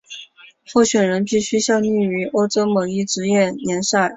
候选人必须效力于欧洲某一职业联赛。